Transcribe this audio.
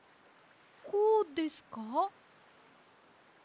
こうですか？